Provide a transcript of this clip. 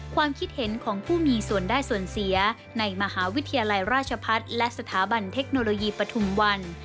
ความคิดเห็นของผู้มีส่วนได้ส่วนเสียในมหาวิทยาลัยราชพัฒน์และสถาบันเทคโนโลยีปฐุมวัน